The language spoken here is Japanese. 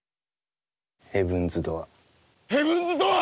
ヘブンズ・ドアー。